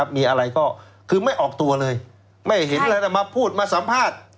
มีอะไรก็คือไม่ออกตัวเลยไม่เห็นอะไรมาพูดมาสัมภาษณ์